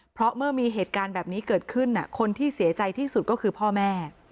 เพราะเมื่อมีเหตุการณ์แบบนี้เกิดขึ้นคนที่เสียใจที่สุดก็คือพ่อแม่